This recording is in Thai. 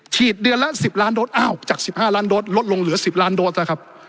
เดือนละ๑๐ล้านโดสอ้าวจาก๑๕ล้านโดสลดลงเหลือ๑๐ล้านโดสนะครับ